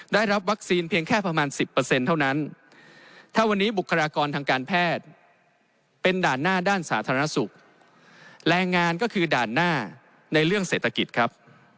ในเรื่องเศรษฐกิจครับ